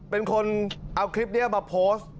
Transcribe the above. เป็นคนเอาคลิปนี้มาโพสต์